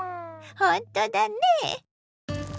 ほんとだね。